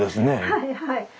はいはい。